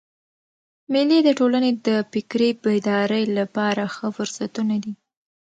مېلې د ټولني د فکري بیدارۍ له پاره ښه فرصتونه دي.